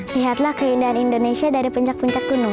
lihatlah keindahan indonesia dari puncak puncak gunung